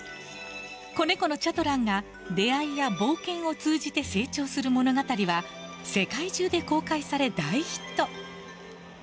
子猫のチャトランが出会いや冒険を通じて成長する物語は世界中で公開され、大ヒット。